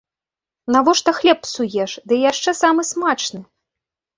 Навошта хлеб псуеш, ды яшчэ самы смачны!